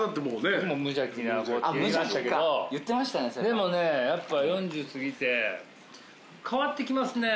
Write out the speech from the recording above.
でもやっぱ４０すぎて変わってきますね。